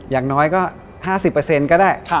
อย่างน้อยก็๕๐ก็ได้